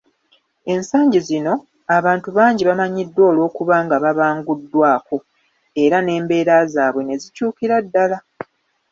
Ensangi zino, abantu bangi bamanyiddwa olw'okuba nga babanguddwako era n'embeera zaabwe ne zikyukira ddala